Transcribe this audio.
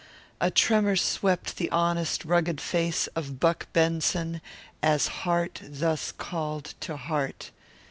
A tremor swept the honest rugged face of Buck Benson as heart thus called to heart.